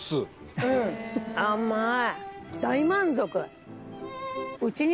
甘い。